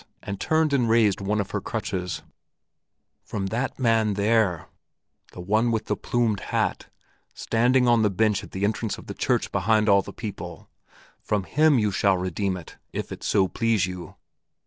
and turned and raised one of her crutches; 'from that man there, the one with the plumed hat, standing on the bench at the entrance of the church behind all the people from him you shall redeem it, if it so please you!'